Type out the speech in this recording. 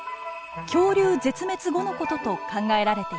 恐竜絶滅後の事と考えられています。